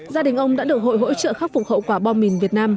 gia đình ông đã được hội hỗ trợ khắc phục hậu quả bom mìn việt nam